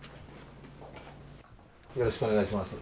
よろしくお願いします。